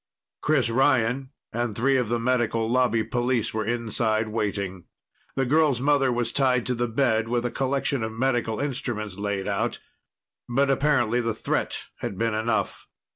Chris Ryan, and three of the Medical Lobby police were inside, waiting. The girl's mother was tied to the bed, with a collection of medical instruments laid out, but apparently the threat had been enough.